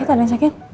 sakit ada yang sakit